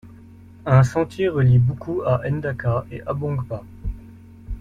Un sentier relie Buku à Ndaka et Abongkpa.